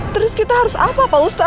terus kita harus apa pak ustadz